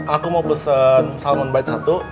aku mau pesen salmon bite satu